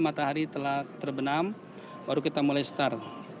matahari telah terbenam baru kita mulai star